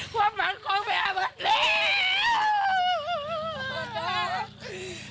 ความมั่งของแม่หมดแล้ว